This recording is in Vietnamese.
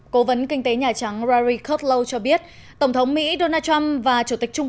cố vấn kinh tế nhà trắng larry kudlow cho biết tổng thống mỹ donald trump và chủ tịch trung